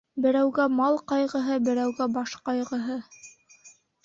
Берәүгә мал ҡайғыһы, берәүгә баш ҡайғыһы.